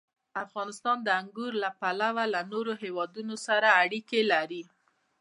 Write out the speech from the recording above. افغانستان د انګور له پلوه له نورو هېوادونو سره اړیکې لري.